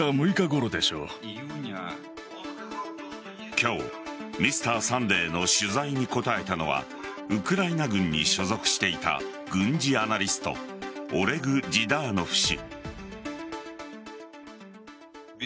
今日「Ｍｒ．サンデー」の取材に答えたのはウクライナ軍に所属していた軍事アナリストオレグ・ジダーノフ氏。